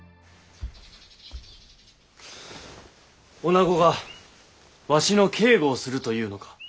女子がわしの警護をするというのか？